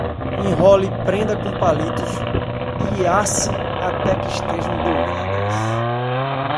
Enrole, prenda com palitos, e asse até que estejam douradas.